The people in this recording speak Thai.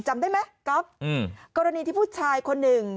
จำได้ไหมก๊อฟอืมกรณีที่ผู้ชายคนหนึ่ง